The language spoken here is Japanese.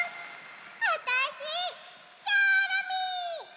あたしチョロミー！